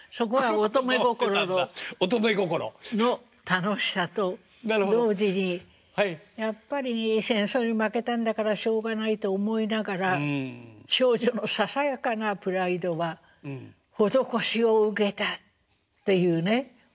楽しさと同時にやっぱり戦争に負けたんだからしょうがないと思いながら少女のささやかなプライドは「施しを受けた」っていうね。